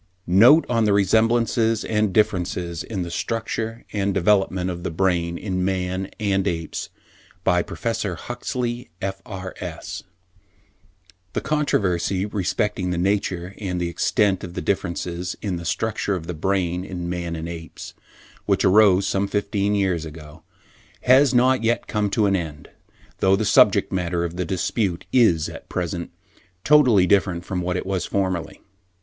NOTE ON THE RESEMBLANCES AND DIFFERENCES IN THE STRUCTURE AND THE DEVELOPMENT OF THE BRAIN IN MAN AND APES BY PROFESSOR HUXLEY, F.R.S. The controversy respecting the nature and the extent of the differences in the structure of the brain in man and the apes, which arose some fifteen years ago, has not yet come to an end, though the subject matter of the dispute is, at present, totally different from what it was formerly.